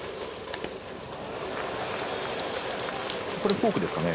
フォークですかね。